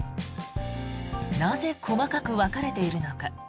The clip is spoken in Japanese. なぜ細かく分かれているのか。